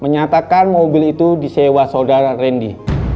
menyatakan mobil itu disewa saudara randy